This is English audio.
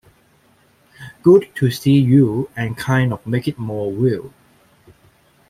Good to see you' and kind of make it more real.